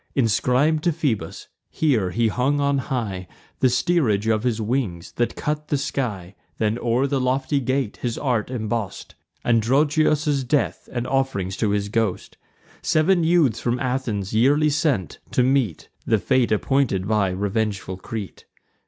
Inscrib'd to Phoebus, here he hung on high The steerage of his wings, that cut the sky: Then o'er the lofty gate his art emboss'd Androgeos' death, and off'rings to his ghost; Sev'n youths from Athens yearly sent, to meet The fate appointed by revengeful Crete.